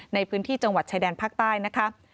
ในพื้นที่จังหวัดชายแดนภาคใต้นะคะ